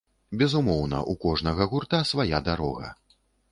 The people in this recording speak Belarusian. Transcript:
Безумоўна, у кожнага гурта свая дарога.